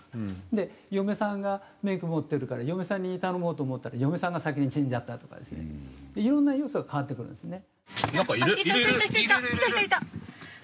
で嫁さんが免許持ってるから嫁さんに頼もうと思ったら嫁さんが先に死んじゃったとかですねいろんな要素が関わってくるんですね。